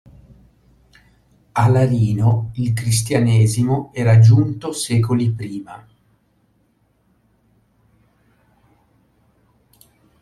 A Larino il Cristianesimo era giunto secoli prima.